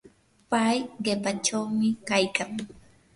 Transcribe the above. pay qipachawmi kaykan.